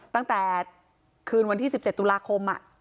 ตั้งแต่คืนวันที่๑๗ตุลาคม